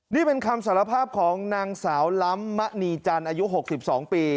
นี่เป็นคำสารภาพของนางสาวล้ำมะนีจันทร์อายุ๖๒ปี